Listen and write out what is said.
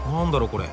これ。